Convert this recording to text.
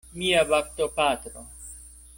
Mia baptopatro!